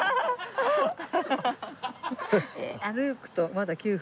歩くとまだ９分。